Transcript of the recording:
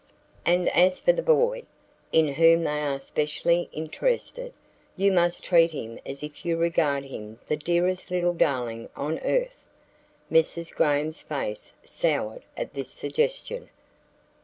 "And as for the boy, in whom they are specially interested, you must treat him as if you regard him the dearest little darling on earth." (Mrs. Graham's face soured at this suggestion.)